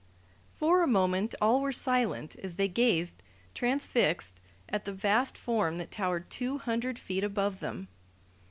For a moment all were silent as they gazed, transfixed, at the vast form that towered two hundred feet above them.